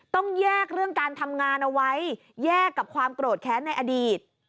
ต้องแยกเรื่องการทำงานเอาไว้แยกกับความโกรธแค้นในอดีต